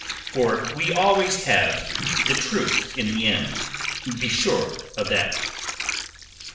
For we always have the truth in the end. Be sure of that."